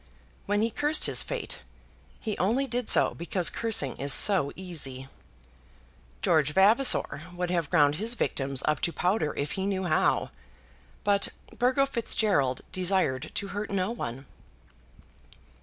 When he cursed his fate, he only did so because cursing is so easy. George Vavasor would have ground his victims up to powder if he knew how; but Burgo Fitzgerald desired to hurt no one.